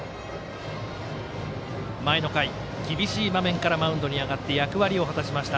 前の回、厳しい場面からマウンドに上がって役割を果たしました